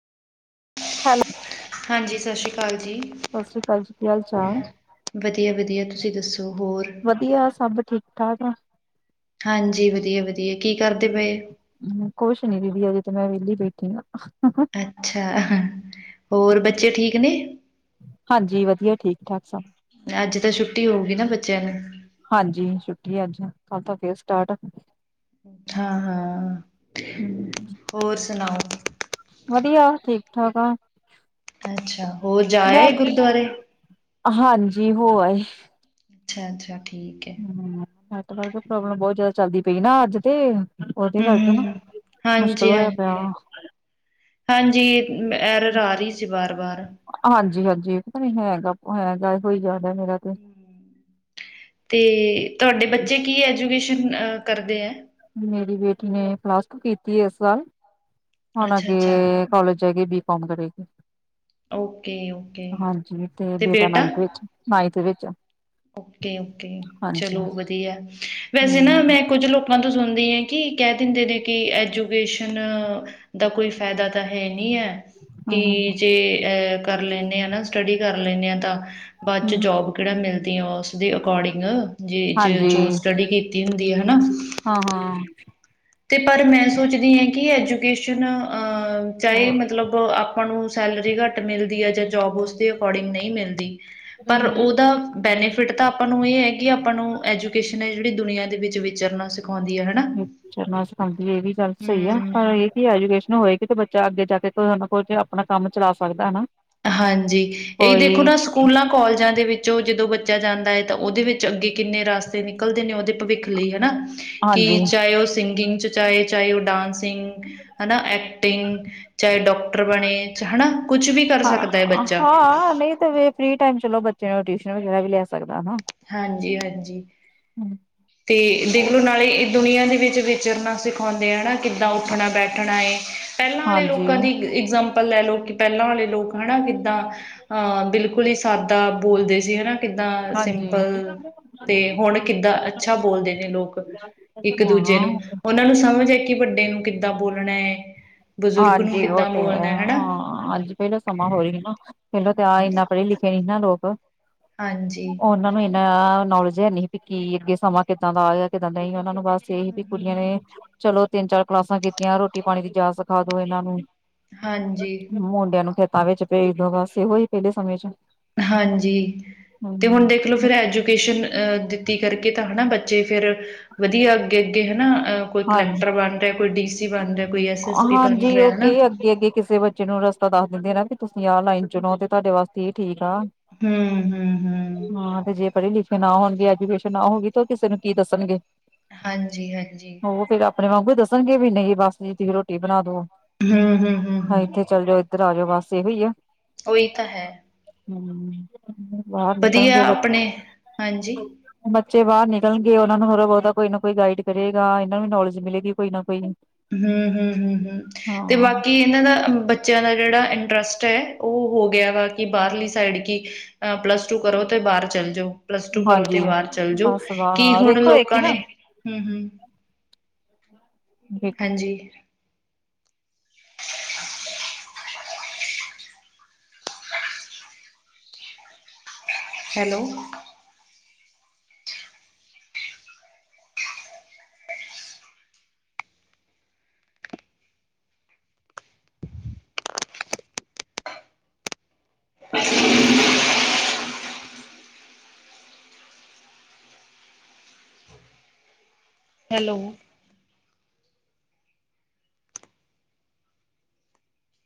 Hello ਹਾਂਜੀ! ਸਸਰੀ ਕਾਲ ਜੀ! ਸਤਿ ਸ੍ਰੀ ਅਕਾਲ ਜੀ ਕੀ ਹਾਲ ਚਾਲ ਵਧੀਆ-ਵਧੀਆ। ਤੁਸੀਂ ਦੱਸੋ ਹੋਰ? ਵਧੀਆ ਸਭ ਠੀਕ ਠਾਕ ਆ। ਹਾਂਜੀ, ਵਧੀਆ ਵਧੀਆ ਕੀ ਕਰਦੇ ਪਏ? ਹੂੰ, ਕੁਛ ਨੀ ਦੀਦੀ ਅਜੇ ਤੇ ਮੈਂ ਵਿਹਲੀ ਬੈਠੀ ਹਾਂ। ਅੱਛਾ ਹੋਰ ਬੱਚੇ ਠੀਕ ਨੇ? ਹਾਂਜੀ, ਵਧੀਆ ਠੀਕ ਠਾਕ ਸਭ। ਅੱਜ ਤਾਂ ਛੁੱਟੀ ਹੋਊਗੀ ਨਾ ਬੱਚਿਆਂ ਨੂੰ? ਹਾਂਜੀ, ਛੁੱਟੀ ਅੱਜ ਕੱਲ ਤਾਂ ਫੇਰ ਸਟਾਰਟ ਹਾਂ ਹਾਂ, ਹੂੰ, ਹੋਰ ਸੁਣਾਓ? ਵਧੀਆ ਠੀਕ ਠਾਕ ਆ। ਅੱਛਾ ਹੋਰ ਜਾ ਆਏ ਬੈਠ ਗੁਰਦੁਆਰੇ? ਹਾਂਜੀ ਹੋ ਆਏ। ਅੱਛਾ ਅੱਛਾ ਠੀਕ ਐ। ਹੂੰ, ਨੈਟਵਰਕ ਦੀ ਪ੍ਰੋਬਲਮ ਬਹੁਤ ਜ਼ਿਆਦਾ ਚੱਲਦੀ ਪਈ ਨਾ ਅੱਜ ਤੇ। ਉਹਦੇ ਹਮ ਕਰਕੇ ਨਾ ਹਮ, ਮੁਸ਼ਕਿਲ ਹਾਂਜੀ ਹੋਇਆ ਪਿਆ ਹਾਂਜੀ ਵਾ। ਹਾਂਜੀ ਐਰਰ ਆ ਰਹੀ ਸੀ ਵਾਰ ਵਾਰ। ਹਾਂਜੀ ਹਾਂਜੀ, ਪਤਾ ਨੀ ਹੈਗਾ ਹੈਗਾ ਓਹੀ ਜ਼ਿਆਦਾ ਮੇਰਾ। ਤੇ ਤੇ ਤੁਹਾਡੇ ਬੱਚੇ ਕੀ ਐਜੂਕੇਸ਼ਨ ਕਰਦੇ ਐ। ਮੇਰੀ ਬੇਟੀ ਨੇ ਪਲਾਸ ਟੂ ਕੀਤੀ ਆ ਇਸ ਸਾਲ। ਹੁਣ ਅੱਛਾ ਅੱਛਾ ਅੱਗੇ ਕਾਲਜ ਜਾ ਕੇ ਬੀਕੌਮ ਕਰੇਗੀ। ਓਕੇ ਓਕੇ ਹਾਂਜੀ, ਤੇ ਬੇਟਾ ਨਾਇਕ ਵਿੱਚ ਨਾਇਥ ਵਿੱਚ ਓਕੇ ਓਕੇ, ਹਾਂਜੀ ਚਲੋ ਵਧੀਆ ਵੈਸੇ ਨਾ ਹੂੰ ਮੈਂ ਕੁੱਝ ਲੋਕਾਂ ਤੋਂ ਸੁਣਦੀ ਆ। ਕੀ ਕਹਿ ਦਿੰਦੇ ਨੇ ਕਿ ਐਜੂਕੇਸ਼ਨ ਦਾ ਕੋਈ ਫਾਇਦਾ ਤਾਂ ਹੈ ਨੀ ਐ। ਕਿ ਹੂੰ ਜੇ ਅਹ ਕਰ ਲੈਣੇ ਆ ਨਾ ਸਟੱਡੀ ਕਰ ਲੈਂਣੇ ਆ ਤਾਂ ਬਾਅਦ ਚ ਹੂੰ ਜੋਬ ਕਿਹੜਾ ਮਿਲਦੀਆਂ ਉਸਦੇ ਅਕੋਰਡਿੰਗ ਜੇ ਹਾਂਜੀ ਜੋ ਸਟੱਡੀ ਕੀਤੀ ਹੁੰਦੀ ਆ ਹਨਾ। ਹਾਂ ਹਾਂ। ਤੇ ਪਰ ਮੈਂ ਸੋਚਦੀ ਆ ਕਿ ਐਜੂਕੇਸ਼ਨ ਚਾਹੇ ਹੋਰ ਮਤਲਬ ਆਪਾਂ ਨੂੰ ਸੈਲਰੀ ਘੱਟ ਮਿਲਦੀ ਐ ਜਾਂ ਜੋਬ ਉਸਦੇ ਅਕੋਰਡਿੰਗ ਨਹੀਂ ਮਿਲਦੀ। ਪਰ ਹੂੰ ਉਹਦਾ ਬੈਨੀਫਿਟ ਤਾਂ ਆਪਾਂ ਨੂੰ ਇਹ ਐ ਕਿ ਆਪਾਂ ਨੂੰ ਐਜੂਕੇਸ਼ਨ ਐ ਜਿਹੜੀ ਦੁਨੀਆਂ ਦੇ ਵਿੱਚ ਵਿਚਰਨਾ ਸਿੱਖੋ ਉਂਦੀ ਆ ਹਨਾ। ਵਿਚਰਨਾ ਸਿਖਾਂਦੀ ਇਹ ਵੀ ਗੱਲ ਸਹੀ ਆ। ਹਮ [unintelligible] ਕਿ ਐਜੂਕੇਸ਼ਨ ਹੋਏਗੀ ਤੇ ਬੱਚਾ ਅੱਗੇ ਜਾ ਕੁਝ ਨਾ ਕੁਝ ਆਪਣਾ ਕੰਮ ਚਲਾ ਸਕਦਾ ਹਨਾ। ਹਾਂਜੀ ਇਹੀ ਦੇਖੋ ਕੋਈ ਨਾ ਸਕੂਲਾਂ ਕੋਾਲਜਾਂ ਦੇ ਵਿੱਚੋਂ ਜਦੋਂ ਬੱਚਾ ਜਾਂਦਾ ਐ ਤਾਂ ਉਹਦੇ ਵਿੱਚ ਅੱਗੇ ਕਿੰਨੇ ਰਸਤੇ ਨਿਕਲਦੇ ਨੇ ਉਹਦੇ ਭਵਿੱਖ ਲਈ ਹਨਾ। ਕਿ ਹਾਂਜੀ ਚਾਹੇ ਉਹ ਸਿੰਗਿੰਗ ਚ ਚਾਹੇ ਚਾਹੇ ਉਹ ਡਾਂਸਿੰਗ ਹਨਾ ਐਕਟਿੰਗ ਚਾਹੇ ਡਾਕਟਰ ਬਣੇ ਹਨਾ। ਕੁਛ ਵੀ ਕਰ ਹਾਂ ਸਕ ਹਾਂ, ਨਹੀਂ ਤੇ ਫਿਰ ਫਰੀ ਟਾਈਮ ਚਲੋ ਬੱਚੇ ਨੂੰ ਟਿਊਸ਼ਨ ਵਗੈਰਾ ਵੀ ਲੈ ਸਕਦਾ ਹਨਾ। ਹਾਂਜੀ ਹਾਂਜੀ, ਤੇ ਦੇਖਲੋ ਨਾਲੇ ਦੁਨੀਆਂ ਦੇ ਵਿੱਚ ਵਿਚਰਨਾ ਸਿਖਾਉਂਦੇ ਆ ਨਾ ਕਿੱਦਾਂ ਉੱਠਣਾ ਬੈਠਣਾ ਪਹਿਲਾਂ ਆਲੇ ਹਾਂਜੀ ਲੋਕਾਂ ਦੀ ਇਗਜਾਮਪਲ ਲੈ ਲਓ ਕਿ ਪਹਿਲਾਂ ਵਾਲੇ ਲੋਕ ਹਨਾ ਕਿੱਦਾਂ ਹਾਂ, ਬਿਲਕੁਲ ਹੀ ਸਾਦਾ ਬੋਲਦੇ ਸੀ ਹਨਾ ਕਿੱਦਾਂ ਸਿੰ ਹਾਂਜੀ ਤੇ ਹੁਣ ਕਿੱਦਾਂ ਅੱਛਾ ਬੋਲਦੇ ਨੇ ਲੋਕ ਇੱਕ ਦੂਜੇ ਨੂੰ ਹਾਂ ਉਹਨਾਂ ਨੂੰ ਸਮਝ ਹੈ ਕਿ, ਵੱਡੇ ਨੂੰ ਕਿੱਦਾਂ ਬੋਲਣੈ, ਬਜ਼ੁਰਗ ਨੂੰ ਹਾਂਜੀ ਉਹ ਕਿੱਦਾਂ ਤੇ ਹੈ ਬੋਲਣੈ ਹਣਾ। ਹਾਂ ਅੱਜ ਪਹਿਲੋ ਸਮਾਂ ਹੋਰ ਹੀ ਨਾ, ਪਹਿਲੋ ਤੇ ਆ, ਇੰਨਾ ਪੜ੍ਹੇ, ਲਿਖੇ ਨੀ ਨਾ ਲੋਕ। ਹਾਂਜੀ। ਉਹਨਾਂ ਨੂੰ ਇੰਨਾ ਨੌਲੇਜ ਹੈ ਨਹੀਂ ਵੀ ਕੀ, ਅੱਗੇ ਸਮਾਂ ਕਿੱਦਾਂ ਦਾ ਆਗਾ, ਕਿੱਦਾਂ ਦਾ ਨੀ, ਉਹਨਾਂ ਨੂੰ ਬਸ ਤੇ ਹਮ ਵੀ ਹਮ ਕੁੜੀਆਂ ਹਮ ਨੇ, ਚਲੋ ਤਿੰਨ, ਚਾਰ ਕਲਾਸਾਂ ਕੀਤੀਆਂ ਰੋਟੀ -ਪਾਣੀ ਦੀ ਜਾਚ ਸਿਖਾਦੋ ਇਹਨਾਂ ਨੂੰ। ਹਾਂਜੀ ਮੁੰਡਿਆਂ ਨੂੰ ਖੇਤਾਂ ਵਿੱਚ ਭੇਜਦੋ ਬਸ ਇਹੋ ਹੀ ਪਹਿਲੇ ਸਮੇਂ ਚ ਹਾਂਜੀ, ਤੇ ਹੁਣ ਹਮ ਦੇਖ ਲੋ ਫਿਰ ਐਜੂਕੇਸ਼ਨ ਅ ਕਰਕੇ ਤਾਂ ਹਨਾ ਬੱਚੇ ਫਿਰ, ਵਧੀਆ ਅੱਗੇ-ਅੱਗੇ ਹਨਾ, ਅੰਹ ਕੋਈ ਹਾਂ ਕਲੈਕਟਰ ਬਣ ਰਿਹਾ, ਕੋਈ ਡੀ ਸੀ ਬਣ ਰਿਹਾ। ਕੋਈ ਐਸ ਐਸ ਪੀ ਬਣ ਹਾਂਜੀ, ਰਿਹਾ ਉਹ ਹਨਾ। ਗਈ ਅੱਗੇ-ਅੱਗੇ ਕਿਸੇ ਬੱਚੇ ਨੂੰ ਰਸ ਰਸਤਾ ਦੱਸ ਦਿੰਦੇ ਨਾ ਵੀ, ਤੁਸੀਂ ਆਹ ਲਾਈਨ ਚੁਣੋ ਤੇ ਤੁਹਾਡੇ ਵਾਸਤੇ ਇਹ ਠੀਕ ਆ। ਹੂੰ, ਹੂੰ, ਹੂੰ। ਹਾਂ, ਤੇ ਜੇ ਪੜ੍ਹੇ-ਲਿਖੇ ਨਾ ਹੋਣਗੇ, ਐਜੂਕੇਸ਼ਨ ਨਾ ਹੋਗੀ ਤੇ ਉਹ ਕਿਸੇ ਨੂੰ ਕੀ ਦੱਸਣਗੇ। ਹਾਂਜੀ-ਹਾਂਜੀ। ਉਹ ਫਿਰ ਆਪਣੇ ਵਾਂਗੂ ਦੱਸਣਗੇ, ਵੀ ਨਹੀਂ ਬਸ ਜੀ ਤੁਸੀਂ ਰੋਟੀ ਬਣਾਦੋ, ਹਾਂ ਹੂੰ-ਹੂੰ-ਹੂੰ-ਹੂੰ। ਇੱਥੇ ਚੱਲਜੋ, ਇੱਧਰ ਆਜੋ ਬਸ ਇਹੋ ਈ ਆ। ਉਹੀ ਤਾਂ ਹੈ। ਹੂੰ, ਬਾਹਰ ਵਧੀਆ ਨਿਕਲਣਗੇ ਬ ਆਪਣੇ ਹਾਂਜੀ। ਬੱਚੇ ਬਾਹਰ ਨਿਕਲਣਗੇ, ਉਹਨਾਂ ਨੂੰ ਥੋੜ੍ਹਾ ਬਹੁਤਾ ਕੋਈ ਨਾ ਕੋਈ ਗਾਈਡ ਕਰੇਗਾ, ਇਹਨਾਂ ਨੂੰ ਨੌਲੇਜ ਮਿਲੇਗੀ ਕੋਈ ਨਾ ਕੋਈ। ਹੂੰ, ਹੂੰ, ਹੂੰ, ਤੇ ਹਾਂ ਬਾਕੀ ਇਹਨਾਂ ਦਾ ਬੱਚਿਆਂ ਦਾ ਜਿਹੜਾ ਇੰਟਰਸਟ ਐ, ਉਹ ਹੋ ਗਿਆ ਵਾ, ਕਿ ਬਾਹਰਲੀ ਸਾਈਡ ਕੀ ਅਹ ਪਲੱਸ ਟੂ ਕਰੋ ਤੇ, ਬਾਹਰ ਚੱਲ ਜਾਉ। ਪਲੱਸ ਟੂ ਕਰੋ ਤੇ ਹਾਂਜੀ ਬਾਹਰ ਚੱਲਜੋ, ਬਸ ਬਾਹਰ ਕੀ ਹਾਂ ਹੁਣ ਵੇਖੋ ਵੇਖੀ ਲੋਕਾਂ ਨਾ ਨੇ, ਹੂੰ, ਹੂ। ਹ [inaudible] ਹਾਂਜੀ। [inaudible] ਹੈਲੋ। [inaudible] ਹੈਲੋ।